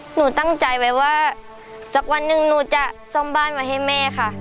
หนูตั้งใจไว้ว่าสักวันหนึ่งหนูจะซ่อมบ้านไว้ให้แม่ค่ะ